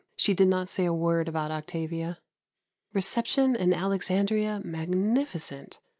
She did not say a word about Octavia. Reception in Alexandria magnificent.